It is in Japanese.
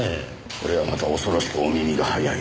これはまた恐ろしくお耳が早い。